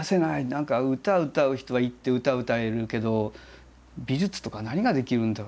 何か歌歌う人は行って歌歌えるけど美術とか何ができるんだ？